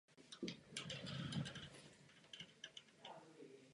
V československé lize nastoupil v jednom utkání za Duklu Praha.